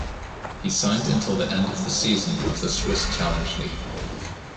He signed until the end of the season of the Swiss Challenge League.